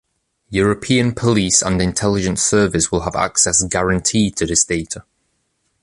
European police and Intelligent Service will have access guaranteed to this data.